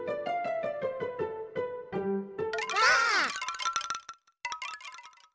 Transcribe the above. ばあっ！